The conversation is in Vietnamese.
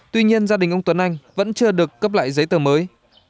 tuy nhiên gia đình ông tuấn anh vẫn chưa được cấp lại giấy tờ mới